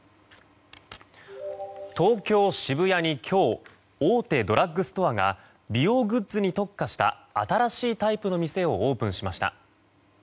東京・渋谷に、今日大手ドラッグストアが美容グッズに特化した新しいタイプの店をオープンしました。